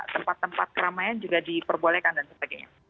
tempat tempat keramaian juga diperbolehkan dan sebagainya